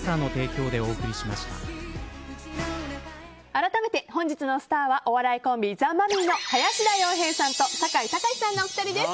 改めて本日のスターはお笑いコンビ、ザ・マミィの林田洋平さんと酒井貴士さんのお二人です。